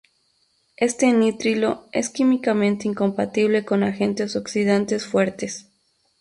Este nitrilo es químicamente incompatible con agentes oxidantes fuertes.